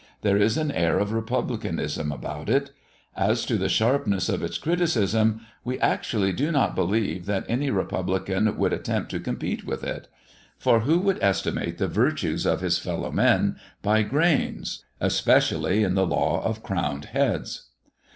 There is an air of republicanism about it. As to the sharpness of its criticism, we actually do not believe that any republican would attempt to compete with it. For who would estimate the virtues of his fellow men by grains, especially in the law of crowned heads!